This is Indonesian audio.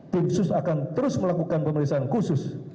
tim sus akan terus melakukan pemeriksaan khusus